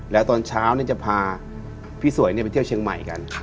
แล้วตอนเช้าจะพาพี่สวยไปเที่ยวเชียงใหม่กัน